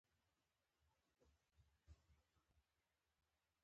د میرمنو کار د اختراع وده کوي.